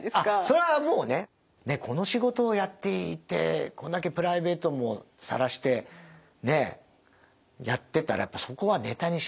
それはもうねこの仕事をやっていてこんだけプライベートもさらしてねえやってたらやっぱそこはネタにしないと。